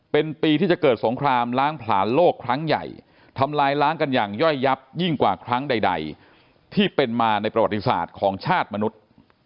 เป็นปีที่จะเกิดสงครามล้างผลานโลกครั้งใหญ่ทำลายล้างกันอย่างย่อยยับยิ่งกว่าครั้งใดที่เป็นมาในประวัติศาสตร์ของชาติมนุษย์